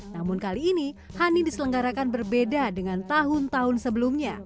namun kali ini honey diselenggarakan berbeda dengan tahun tahun sebelumnya